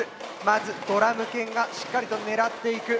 まずドラム犬がしっかりと狙っていく。